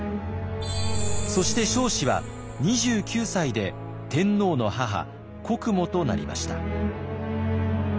そして彰子は２９歳で天皇の母国母となりました。